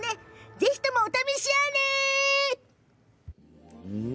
ぜひともお試しあれ。